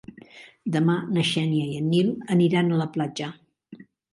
Demà na Xènia i en Nil aniran a la platja.